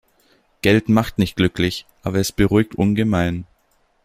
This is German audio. Geld macht nicht glücklich, aber es beruhigt ungemein.